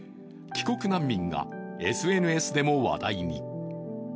帰国難民がＳＮＳでも話題に。